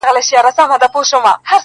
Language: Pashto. غوجله لا هم خاموشه ولاړه ده,